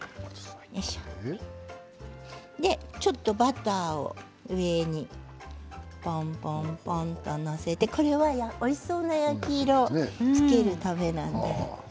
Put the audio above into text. ちょっとバターを上にポンポンポンと載せてこれは、おいしそうな焼き色をつけるためなんです。